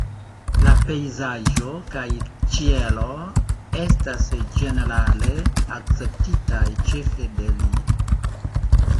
La pejzaĝo kaj ĉielo estas ĝenerale akceptitaj ĉefe de li.